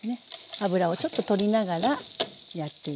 脂をちょっと取りながらやっていきます。